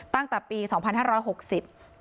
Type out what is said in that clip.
ตั้งแต่ปีสองพันห้าร้อยหกสิบ